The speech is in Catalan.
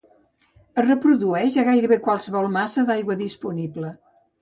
Es reprodueix a gairebé qualsevol massa d'aigua disponible.